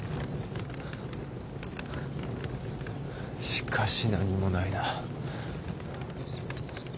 しかし何もないな。